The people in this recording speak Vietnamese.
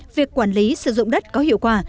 việc quản lý sử dụng đất có hiệu quả